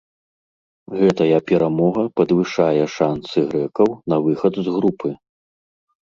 Гэтая перамога падвышае шанцы грэкаў на выхад з групы.